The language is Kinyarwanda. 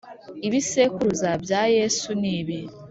ibisekuruza bya yesu nibi